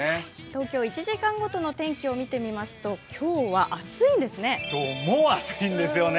東京１時間ごとの天気を見てみますと今日は暑いですね。